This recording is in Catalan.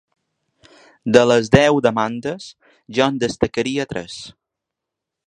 De les deu demandes, jo en destacaria tres.